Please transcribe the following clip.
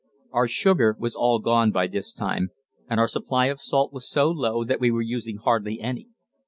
Our sugar was all gone by this time, and our supply of salt was so low that we were using hardly any.